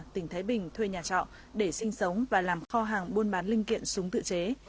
tỉnh thái bình thuê nhà trọ để sinh sống và làm kho hàng buôn bán linh kiện súng tự chế